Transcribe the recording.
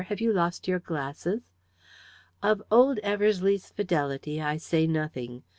Have you lost your glasses?' Of old Eversleigh's fidelity I say nothing.